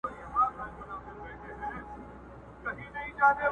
o تېغ په جوهر خورک کوي!